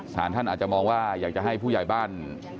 สารท่านอาจจะมองว่าอยากจะให้ผู้ใหญ่บ้าน